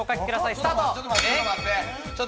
スタート。